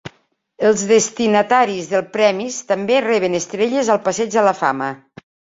Els destinataris dels premis també reben estrelles al Passeig de la Fama.